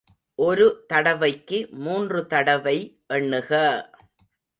ஒருதடவைக்கு மூன்று தடவை எண்ணுக!